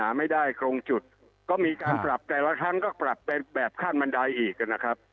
ไม่ได้ตรงจุดก็มีการปรับแต่ละครั้งก็ปรับเป็นแบบขั้นบันไดอีกนะครับ